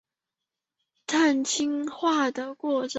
羟基化的过程。